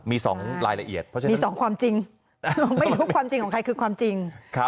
มี๒รายละเอียดมี๒ความจริงไม่รู้ความจริงของใครคือความจริง